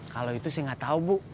kalau itu sih nggak tahu bu